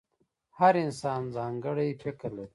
• هر انسان ځانګړی فکر لري.